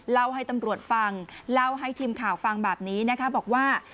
เล่าให้ตำรวจฟังเล่าให้ทีมข่าวฟังแบบนี้นะคะบอกว่า